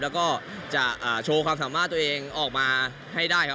แล้วก็จะโชว์ความสามารถตัวเองออกมาให้ได้ครับ